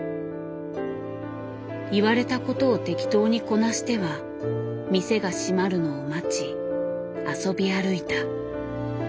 言われたことを適当にこなしては店が閉まるのを待ち遊び歩いた。